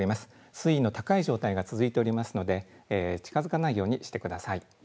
水位の高い状態が続いておりますので近づかないようにしてください。